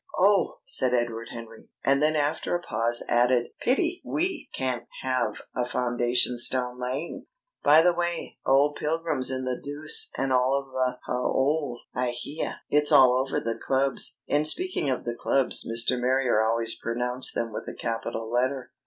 "Oh!" said Edward Henry. And then after a pause added: "Pity we can't have a foundation stone laying!" "By the way, old Pilgrim's in the deuce and all of a haole, I heah. It's all over the Clubs." (In speaking of the Clubs, Mr. Marrier always pronounced them with a Capital letter.)